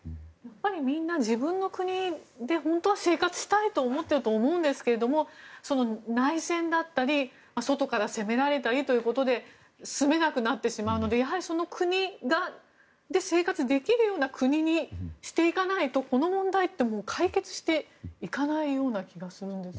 みんな自分の国で本当は生活したいと思っていると思うんですが内戦だったり外から攻められたりということで住めなくなってしまうのでやはりその国で生活できるような国にしていかないとこの問題って解決していかないような気がするんですが。